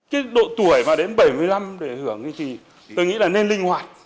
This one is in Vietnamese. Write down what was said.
cái độ tuổi và đến bảy mươi năm để hưởng thì tôi nghĩ là nên linh hoạt